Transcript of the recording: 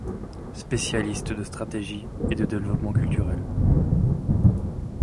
Spécialiste de stratégie et de développement culturel.